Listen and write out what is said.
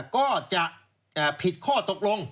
ก็จะผิดข้อตกลง